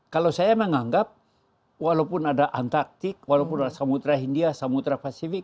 kalau saya menganggap walaupun ada antartik walaupun ada samudra india samudra pasifik